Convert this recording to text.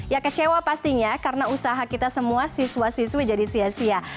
ya kecewa pastinya karena usaha kita semua siswa siswi jadi sia sia